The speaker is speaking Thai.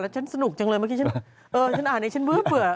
ฉันสนุกจังเลยเมื่อกี้ฉันอ่านไอ้ฉันเบื่อ